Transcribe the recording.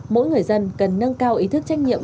mỗi người dân cần nâng cao ý thức trách nhiệm